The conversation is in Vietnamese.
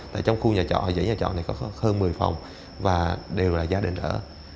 tại trong khu nhà trọ dãy nhà trọ này có hơn một mươi phòng và đều là gia đình ở